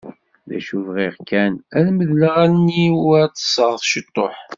D acu bɣiɣ kan, ad medleɣ allen-iw u ad ṭṭseɣ ciṭuḥ.